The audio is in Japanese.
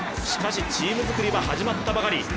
しかしチーム作りは始まったばかり。